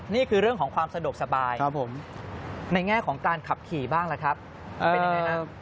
นี่คือเรื่องของความสะดวกสบายในแง่ของการขับขี่บ้างล่ะครับเป็นยังไงครับ